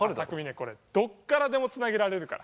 これどっからでもつなげられるから。